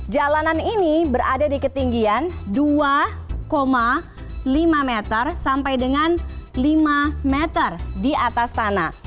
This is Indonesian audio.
jalanan ini berada di ketinggian dua lima meter sampai dengan lima meter di atas tanah